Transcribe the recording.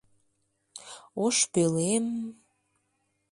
Ош пӧлем...